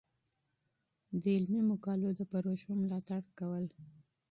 د علمي مقالو د پروژو ملاتړ کول.